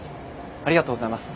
ありがとうございます。